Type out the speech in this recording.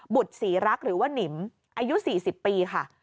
บุตรศรีรักษ์หรือว่านิมอายุ๔๐ปีค่ะ